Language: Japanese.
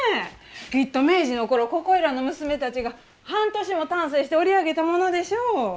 きっと明治の頃ここいらの娘たちが半年も丹精して織り上げたものでしょう。